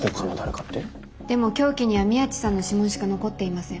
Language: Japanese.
でも凶器には宮地さんの指紋しか残っていません。